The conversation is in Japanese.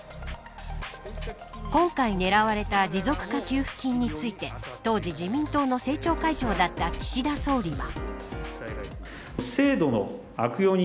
今回狙われた持続化給付金について当時、自民党の政調会長だった岸田総理は。